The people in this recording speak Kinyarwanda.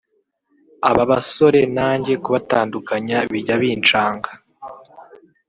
aba basore nanjye kubatandukanya bijya bincanga